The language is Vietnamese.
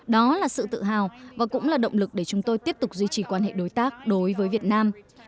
đó là sự tự hào và cũng là động lực để chúng tôi tiếp tục duy trì quan hệ đối tác đối với việt nam